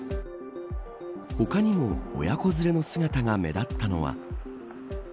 他にも親子連れの姿が目立ったのは。